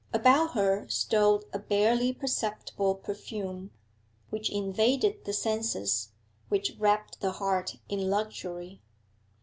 About her stole a barely perceptible perfume, which invaded the senses, which wrapped the heart in luxury.